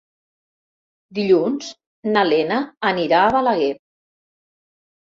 Dilluns na Lena anirà a Balaguer.